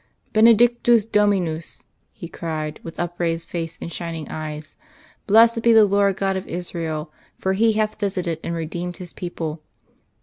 "Benedictus Dominus!" he cried, with upraised face and shining eyes. "Blessed be the Lord God of Israel, for He hath visited and redeemed His people.